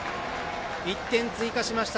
１点、追加しました。